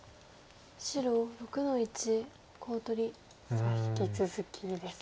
さあ引き続きですかね。